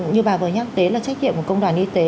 như bà vừa nhắc đến là trách nhiệm của công đoàn y tế